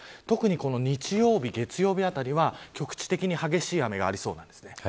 特に日曜日、月曜日あたりは局地的に激しい雨がありそうです。